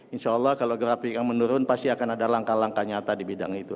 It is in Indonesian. insyaallah kalau grafiknya menurun pasti akan ada langkah langkah nyata di bidang itu